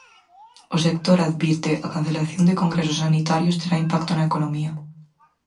O sector advirte: a cancelación de congresos sanitarios terá impacto na economía.